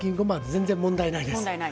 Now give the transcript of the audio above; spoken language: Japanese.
全然問題ないです。